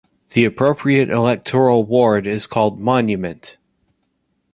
The appropriate electoral ward is called 'Monument'.